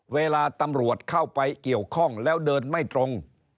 เวลาตำรวจเข้าไปเกี่ยวข้องแล้วเดินไม่ตรง